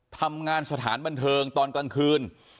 ทำงานสถานบันเทิงตอนกลางคืน